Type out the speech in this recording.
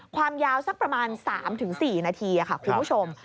ความยาวสักประมาณ๓๔นาทีค่ะคุณผู้ชม